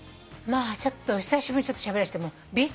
まあちょっと久しぶりにしゃべらせて。